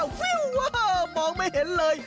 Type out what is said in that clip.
วิ่วโอ้โฮมองไม่เห็นเลย